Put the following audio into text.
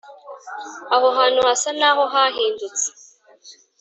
aho hantu hasa naho hahindutse;